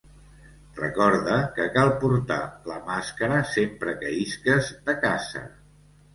Recorda que cal portar la màscara sempre que isques de casa.